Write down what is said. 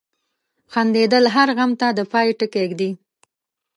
• خندېدل هر غم ته د پای ټکی ږدي.